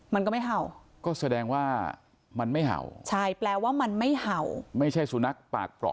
มันก็ไม่เห่าก็แสดงว่ามันไม่เห่าใช่แปลว่ามันไม่เห่าไม่ใช่สุนัขปากเปราะ